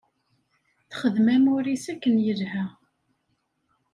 Texdem amur-is akken yelha.